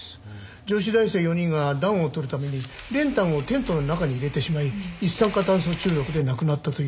女子大生４人が暖をとるために練炭をテントの中に入れてしまい一酸化炭素中毒で亡くなったという事故です。